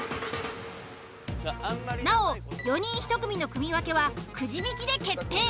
なお４人１組の組分けはくじ引きで決定。